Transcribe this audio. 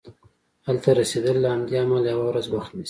هلته رسیدل له همدې امله یوه ورځ وخت نیسي.